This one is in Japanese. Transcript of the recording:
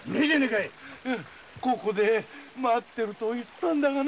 いここで待ってると言ったんだがね。